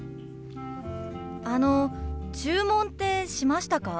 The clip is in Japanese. あの注文ってしましたか？